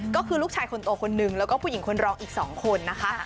ก็คือลูกชายคนโตคนหนึ่งแล้วก็ผู้หญิงคนรองอีก๒คนนะคะ